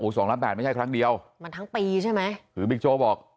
สองล้านแปดไม่ใช่ครั้งเดียวมันทั้งปีใช่ไหมคือบิ๊กโจ๊กบอก